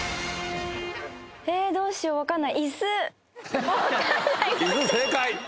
えどうしようわかんない。